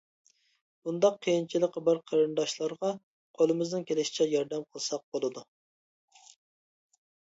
بۇنداق قىيىنچىلىقى بار قېرىنداشلارغا قولىمىزنىڭ كېلىشىچە ياردەم قىلساق بولىدۇ.